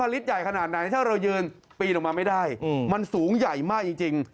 ลิตรใหญ่ขนาดไหนถ้าเรายืนปีนออกมาไม่ได้มันสูงใหญ่มากจริง